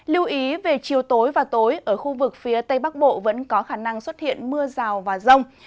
lưu ý về chiều tối và tối ở khu vực phía tây bắc bộ vẫn có khả năng xuất hiện mưa rào và rông